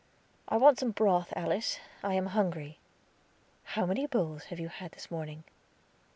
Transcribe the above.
"I want some broth, Alice. I am hungry." "How many bowls have you had this morning?"